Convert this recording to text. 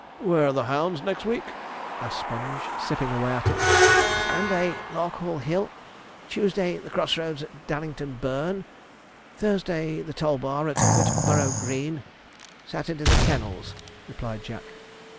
'Where are the hounds next week?' asked Sponge, sipping away at it. 'Monday, Larkhall Hill; Tuesday, the cross roads by Dallington Burn; Thursday, the Toll bar at Whitburrow Green; Saturday, the kennels,' replied Jack.